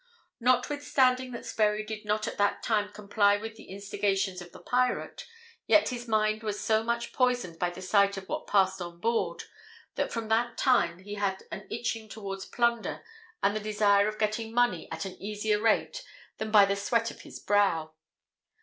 Notwithstanding that Sperry did not at that time comply with the instigations of the pirate, yet his mind was so much poisoned by the sight of what passed on board, that from that time he had an itching towards plunder and the desire of getting money at an easier rate than by the sweat of his brow.